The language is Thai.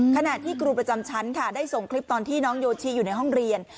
ขณะที่ครูประจำชั้นค่ะได้ส่งคลิปตอนที่น้องโยชิอยู่ในห้องเรียน